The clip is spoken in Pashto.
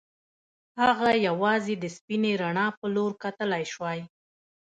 هغه یوازې د سپینې رڼا په لور کتلای شوای